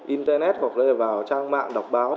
internet hoặc là vào trang mạng đọc báo